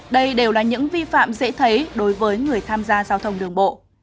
đây đều là những vi phạm dễ thấy đối với người tham gia giao thông đường bộ